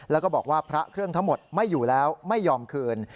แล้วก็บอกว่าพระเครื่องทั้งหมดไม่อยู่แล้วไม่ยอมคืน